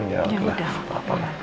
ya udah apa apa